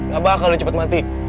gak bakal cepat mati